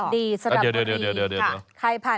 ไซส์ลำไย